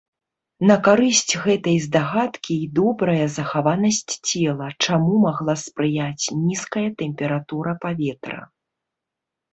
На карысць гэтай здагадкі і добрая захаванасць цела, чаму магла спрыяць нізкая тэмпература паветра.